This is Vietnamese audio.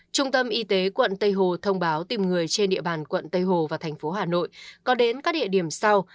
trung tâm y tế quận tây hồ thông báo tìm người trên địa bàn quận tây hồ và thành phố hà nội có đến các địa điểm sau